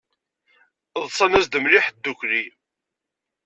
Ḍsan-as-d mliḥ ddukkli.